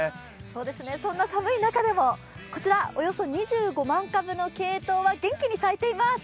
そんな寒い中でもこちら、およそ２５万株のケイトウは元気に咲いています。